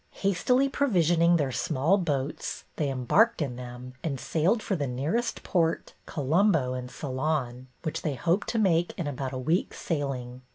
Hastily provisioning their small boats, they embarked in them and sailed for the nearest port, Co lombo, in Ceylon, which they hoped to make in about a week's sailing.